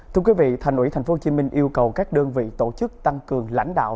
thưa quý vị thành ủy tp hcm yêu cầu các đơn vị tổ chức tăng cường lãnh đạo